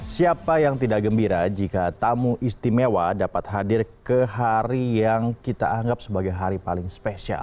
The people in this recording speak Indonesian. siapa yang tidak gembira jika tamu istimewa dapat hadir ke hari yang kita anggap sebagai hari paling spesial